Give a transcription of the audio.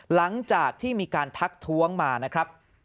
หลังจากที่มีการทักท้วงมานะครับ